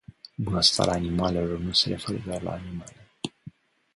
Bunăstarea animalelor nu se referă doar la animale.